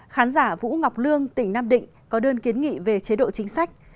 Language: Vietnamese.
khán giả vũ ngọc lương tỉnh nam định có đơn kiến nghị về chế độ chính sách